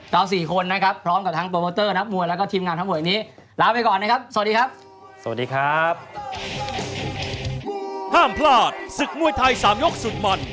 เจ้าสี่คนนะครับพร้อมกับทั้งโปรโมท์เตอร์นับมวยและก็ทีมงานทั้งหมดอย่างนี้